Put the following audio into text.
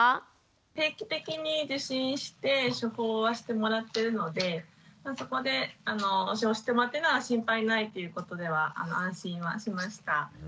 定期的に受診して処方はしてもらってるのでそこで処方してもらってるのは心配ないということでは安心はしました。